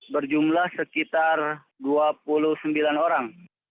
berjumlah sekitar dua puluh sembilan orang